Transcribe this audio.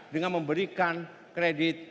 dengan memberikan kredit